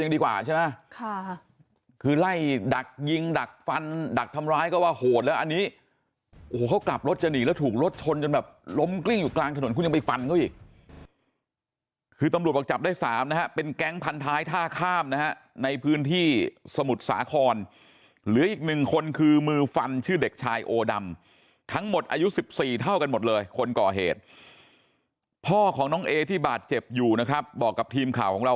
ยังดีกว่าใช่ไหมค่ะคือไล่ดักยิงดักฟันดักทำร้ายก็ว่าโหดแล้วอันนี้โอ้โหเขากลับรถจะหนีแล้วถูกรถชนจนแบบล้มกลิ้งอยู่กลางถนนคุณยังไปฟันเข้าอีกคือตำรวจบได้๓นะฮะเป็นแก๊งพันท้ายท่าข้ามนะฮะในพื้นที่สมุทรสาครเหลืออีก๑คนคือมือฟันชื่อเด็กชายโอดำทั้งหมดอายุ๑๔เท่ากันหม